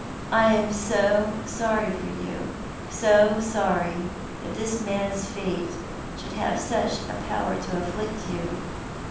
I am so sorry for you — so sorry that this man's fate should have such power to afflict you.